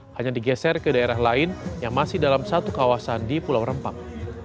hanya digeser ke daerah lain yang masih dalam satu kawasan di pulau rempang